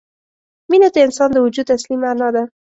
مینه د انسان د وجود اصلي معنا ده.